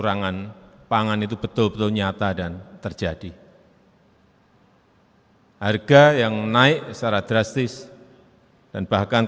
dan saya yakin pak ganjar mampu menyelesaikan ini